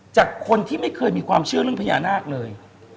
จากคนที่ไม่เคยมีความเชื่อเรื่องพญานาคเลย